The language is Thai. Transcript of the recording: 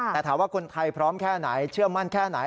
แต่ถามว่าคนไทยพร้อมแค่ไหนเชื่อมั่นแค่ไหน